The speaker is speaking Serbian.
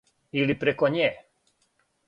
Или преко ње.